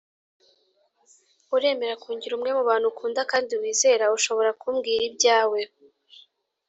uremera kungira umwe mu bantu ukunda kandi wizera ushobora kumbwira ibyawe